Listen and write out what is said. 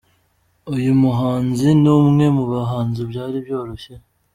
Uyu muhanzi ni umwe mu bahanzi byari byoroshye.